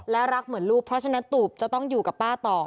และรักเหมือนลูกเพราะฉะนั้นตูบจะต้องอยู่กับป้าต่อ